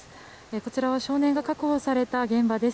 こちらは少年が確保された現場です。